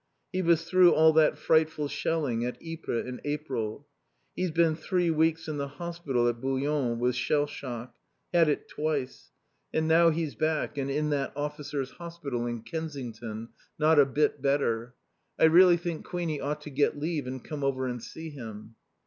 He was through all that frightful shelling at Ypres in April. He's been three weeks in the hospital at Boulogne with shell shock had it twice and now he's back and in that Officers' Hospital in Kensington, not a bit better. I really think Queenie ought to get leave and come over and see him.